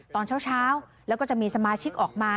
ตอนเช้าแล้วก็จะมีสมาชิกออกมา